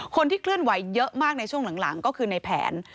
คนที่เคลื่อนไหวเยอะมากในช่วงหลังก็คือในแผน